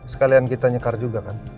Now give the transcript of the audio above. sekalian kita nyekar juga kan